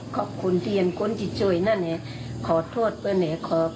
ขอบคุณที่คนที่จ่วยนั่นเนี่ยขอโทษเพื่อนเนี่ย